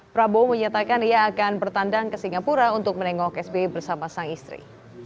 prabowo menyatakan ia akan bertandang ke singapura untuk menengok sbi bersama sang istri